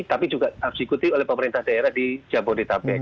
tapi juga absekutif oleh pemerintah daerah di jabodetabek